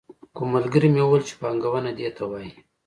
کوم ملګري مې ویل چې پانګونه دې ته وايي.